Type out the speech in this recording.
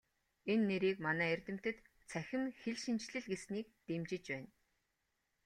Энэ нэрийг манай эрдэмтэд "Цахим хэлшинжлэл" гэснийг дэмжиж байна.